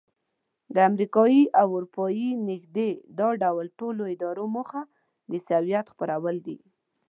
د امریکایي او اروپایي نږدې دا ډول ټولو ادارو موخه د عیسویت خپرول دي.